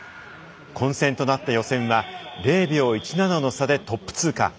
混戦となった予選は０秒１７の差でトップ通過。